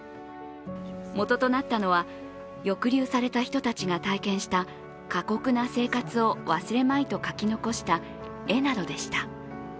元となったのは、抑留された人たちが体験した、過酷な生活を忘れまいと描き残した絵などでした。